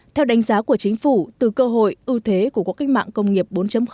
theo đánh giá của chính phủ từ cơ hội ưu thế của quá khích mạng công nghiệp bốn